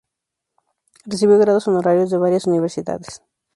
Recibió grados honorarios de varias universidades.